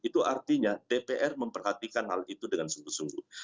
itu artinya dpr memperhatikan hal itu dengan sungguh sungguh